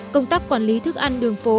công tác quản lý thức ăn đường phố